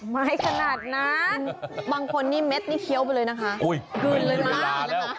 ไม่ขนาดนะบางคนนี่เม็ดนี้เคี้ยวไปเลยนะคะ